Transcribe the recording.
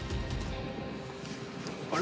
あれ？